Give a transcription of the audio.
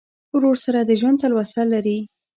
ورور سره د ژوند تلوسه لرې.